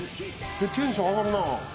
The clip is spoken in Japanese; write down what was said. テンション上がるな。